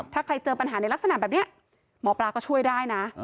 ถ้าใครเจอปัญหาในลักษณะแบบนี้หมอปลาก็ช่วยได้นะ